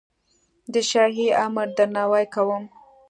د شاهي امر درناوی کوم.